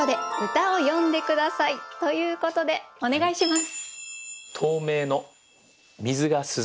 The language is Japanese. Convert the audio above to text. ということでお願いします。